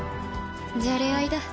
じゃれ合いだ。